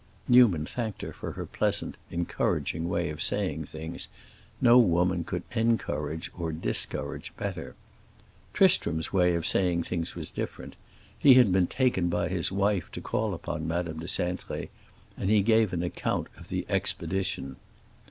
Newman thanked her for her pleasant, encouraging way of saying things; no woman could encourage or discourage better. Tristram's way of saying things was different; he had been taken by his wife to call upon Madame de Cintré, and he gave an account of the expedition.